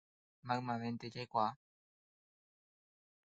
Maymavénte jaikuaa